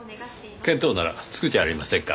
見当ならつくじゃありませんか。